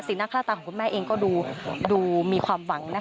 หน้าค่าตาของคุณแม่เองก็ดูมีความหวังนะคะ